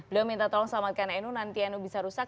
beliau minta tolong selamatkan nu nanti nu bisa rusak